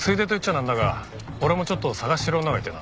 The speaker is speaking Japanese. なんだが俺もちょっと捜してる女がいてな。